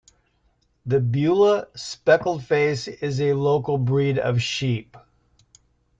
The Beulah Speckled Face is a local breed of sheep.